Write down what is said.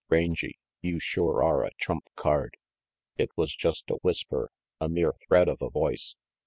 "Rangy, you sure are a trump card." It was just a whisper, a mere thread of a voice.